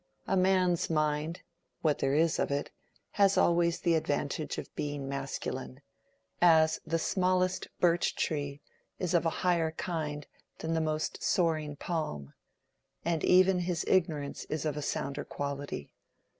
A man's mind—what there is of it—has always the advantage of being masculine,—as the smallest birch tree is of a higher kind than the most soaring palm,—and even his ignorance is of a sounder quality.